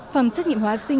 phòng xác nghiệm hóa sinh